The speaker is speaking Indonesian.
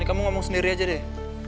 kamu ngomong sendiri aja deh